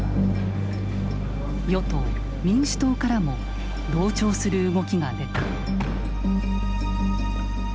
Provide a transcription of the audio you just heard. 与党民主党からも同調する動きが出た。